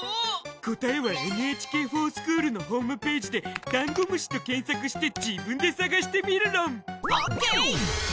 答えは「ＮＨＫｆｏｒＳｃｈｏｏｌ」のホームぺージでダンゴムシと検索して自分で探してみるろん！ＯＫ！